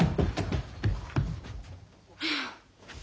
はあ。